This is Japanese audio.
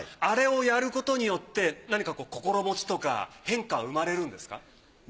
あれをやることによって何か心持ちとか変化は生まれるんですか？